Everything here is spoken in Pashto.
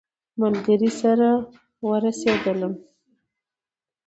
ملګري سره ورسېدلم.